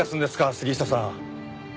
杉下さん。